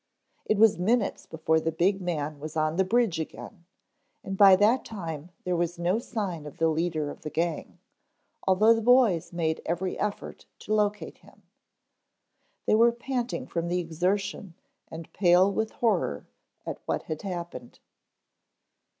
It was minutes before the big man was on the bridge again, and by that time there was no sign of the leader of the gang, although the boys made every effort to locate him. They were panting from the exertion and pale with horror at what had happened.